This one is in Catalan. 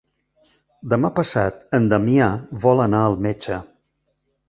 Demà passat en Damià vol anar al metge.